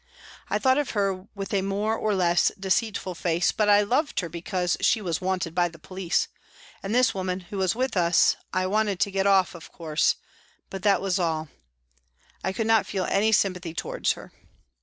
I thought of her with a more or less deceitful face, but I loved her because she was " wanted by the police," and this woman who was with us I wanted to get off, of course, but that was all ; I could not feel any sympathy towards her.